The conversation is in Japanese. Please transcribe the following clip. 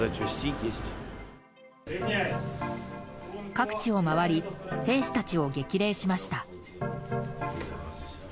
各地を回り兵士たちを激励しました。